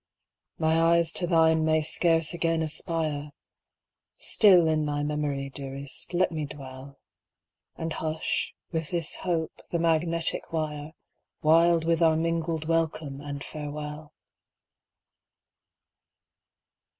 My eyes to thine may scarce again aspire Still in thy memory, dearest let me dwell, And hush, with this hope, the magnetic wire, Wild with our mingled welcome and farewell!